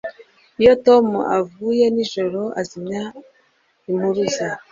Iyo Tom avuye nijoro azimya impuruza